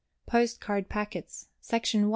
POST CARD PACKETS. _Section I.